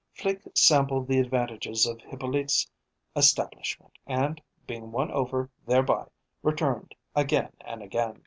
Flique sampled the advantages of Hippolyte's establishment, and, being won over thereby, returned again and again.